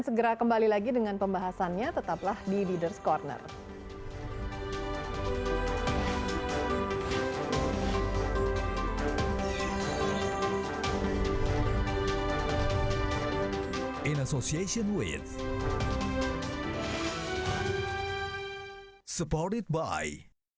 segera kembali lagi dengan pembahasannya tetaplah di leaders corner in association with supported by